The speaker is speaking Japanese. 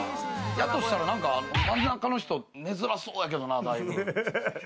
やとしたら、真ん中の人、寝づらそうやけれどもな、だいぶ。